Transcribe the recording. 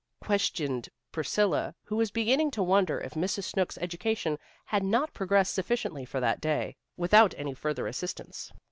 questioned Priscilla, who was beginning to wonder if Mrs. Snooks' education had not progressed sufficiently for that day, without any further assistance.